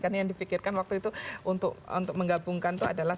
karena yang dipikirkan waktu itu untuk menggabungkan itu adalah